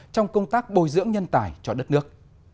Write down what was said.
trong công tác bồi dưỡng nhân tài cho đất nước